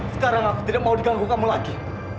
sekarang aku tidak mau diganggu kamu lagi